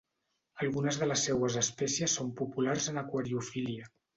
Algunes de les seues espècies són populars en aquariofília.